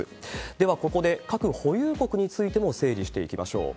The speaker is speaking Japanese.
ではここで、核保有国についても整理していきましょう。